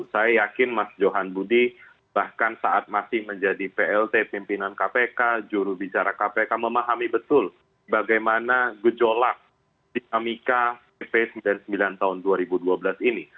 saya yakin mas johan budi bahkan saat masih menjadi plt pimpinan kpk jurubicara kpk memahami betul bagaimana gejolak dinamika pp sembilan puluh sembilan tahun dua ribu dua belas ini